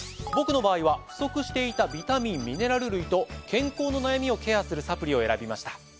僕の場合は不足していたビタミンミネラル類と健康の悩みをケアするサプリを選びました。